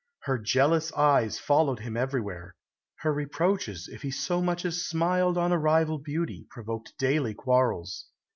Her jealous eyes followed him everywhere, her reproaches, if he so much as smiled on a rival beauty, provoked daily quarrels.